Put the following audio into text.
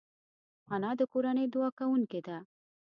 انا د کورنۍ دعا کوونکې ده